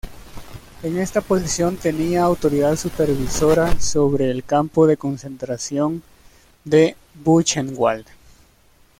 En esta posición tenía autoridad supervisora sobre el campo de concentración de Buchenwald.